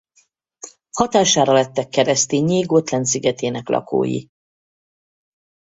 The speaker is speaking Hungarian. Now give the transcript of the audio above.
Hatására lettek kereszténnyé Gotland szigetének lakói.